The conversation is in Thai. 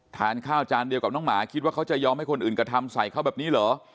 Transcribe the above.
ทานข้าวจานเดียวกับน้องหมาคิดว่าเขาจะยอมให้คนอื่นกระทำใส่เขาแบบนี้เหรอ